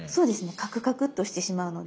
カクカクっとしてしまうので。